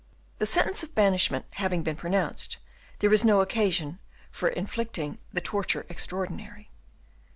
The sentence of banishment having been pronounced, there was no occasion for inflicting the torture extraordinary.